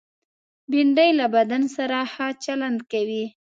بېنډۍ له بدن سره ښه چلند کوي